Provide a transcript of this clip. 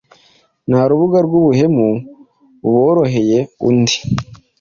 Nta rubuga rwubuhemu buboroheye undi